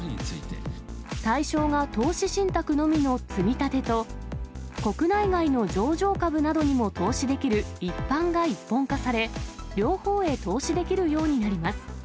対象が投資信託のみのつみたてと、国内外の上場株などにも投資できる一般が一本化され、両方へ投資できるようになります。